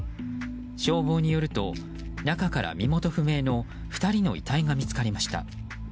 消防によると、中から身元不明の２人の遺体が見つかりました。